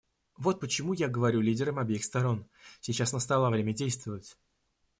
Вот почему я говорю лидерам обеих сторон: сейчас настало время действовать.